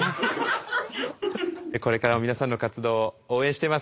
これからも皆さんの活動を応援しています。